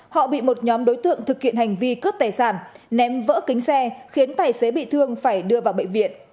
họ bị một nhóm đối tượng thực hiện hành vi cướp tài sản ném vỡ kính xe khiến tài xế bị thương phải đưa vào bệnh viện